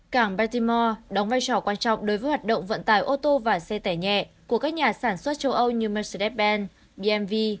cảng baltimore đóng vai trò quan trọng đối với hoạt động vận tải ô tô và xe tẻ nhẹ của các nhà sản xuất châu âu như mercedes benz bmw